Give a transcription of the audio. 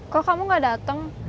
kok kamu gak dateng